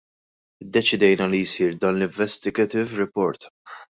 Iddeċidejna li jsir dan l-investigative report.